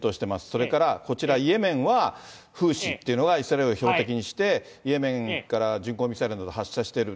それからこちら、イエメンは、フーシっていうのがイスラエルを標的にしてイエメンから巡航ミサイルなどを発射している。